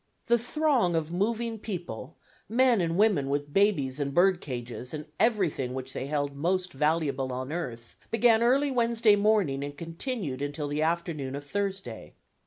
The throng of moving people, men and women with babies and bird cages, and everything which they held most valuable on earth, began early Wednesday morning and continued until the afternoon of Thursday.